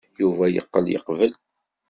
Yuba yeqqel yeqbel.